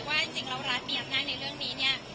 ว่าจริงเรารัดเนียมนั่งในเรื่องนี้เนี่ย